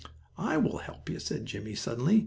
"I will help you!" cried Jimmie, suddenly.